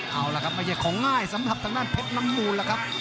เอาล่ะครับไม่ใช่ของง่ายสำหรับทางด้านเพชรน้ำมูลล่ะครับ